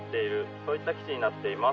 そういった基地になっています。